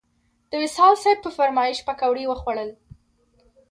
د وصال صیب په فرمایش پکوړې وخوړل.